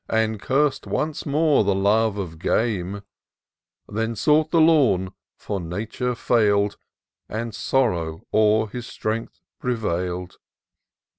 And curs'd once more the love of game ; Then sought the lawn, for Nature &il'd. And sorrow o'er his strength prevail'd.